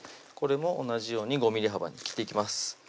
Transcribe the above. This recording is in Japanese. これも同じように５ｍｍ幅に切っていきます